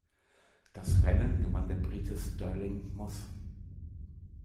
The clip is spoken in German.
Das Rennen gewann der Brite Stirling Moss.